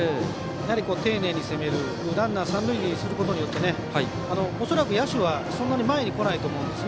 やはり丁寧に攻めてランナーを三塁にすることで恐らく野手はそんなに前に来ないと思うんです。